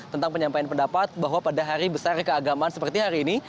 tentang penyampaian pendapat bahwa pada hari besar keagamaan seperti hari ini